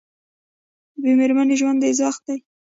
بې میرمنې ژوند دوزخ دی